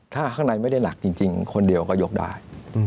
ถ้าข้างในไม่ได้หนักจริงคนเดียวก็ยกได้